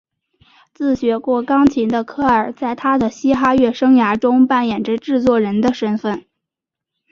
自学过钢琴的科尔在他的嘻哈乐生涯中扮演着制作人的身份。